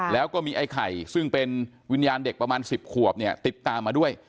แล้วก็มีไอ้ไข่ซึ่งเป็นวิญญาณเด็กประมาณ๑๐ขวบเนี่ยติดตามมาด้วย